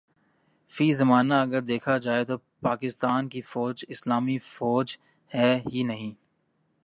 فی زمانہ اگر دیکھا جائے تو پاکستان کی فوج اسلامی فوج ہے ہی نہیں